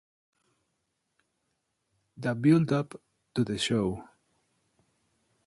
The build-up to the show